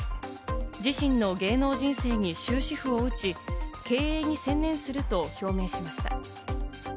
自身の芸能人生に終止符を打ち、経営に専念すると表明しました。